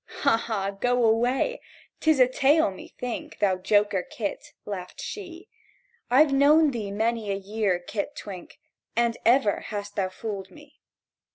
—"Ha, ha—go away! 'Tis a tale, methink, Thou joker Kit!" laughed she. "I've known thee many a year, Kit Twink, And ever hast thou fooled me!"